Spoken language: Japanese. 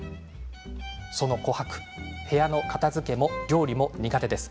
その琥珀、部屋の片づけも料理も苦手です。